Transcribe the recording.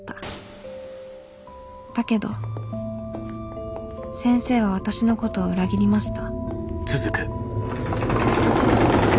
だけど先生は私のことを裏切りました」。